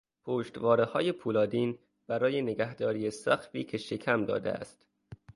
پشتوارههای پولادین برای نگهداری سقفی که شکم داده است